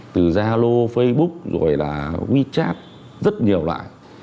từ zalo facebook rồi là wechat rất nhiều loại